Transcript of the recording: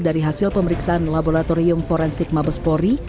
dari hasil pemeriksaan laboratorium forensik mabespori